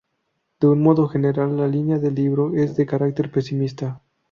De un modo general, la línea del libro es de carácter pesimista.